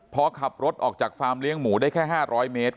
พอขับรถออกจากฟาร์มเลี้ยงหมูได้แค่๕๐๐เมตร